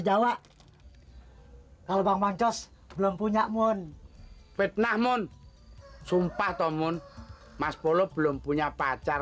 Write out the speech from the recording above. jawa kalau bang mancos belum punya moon fitnah moon sumpah tomon mas polo belum punya pacar